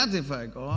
thì phải có